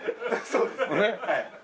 そうですねはい。